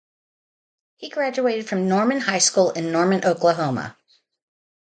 He graduated from Norman High School in Norman, Oklahoma.